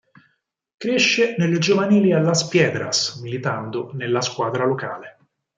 Cresce nelle giovanili a Las Piedras, militando nella squadra locale.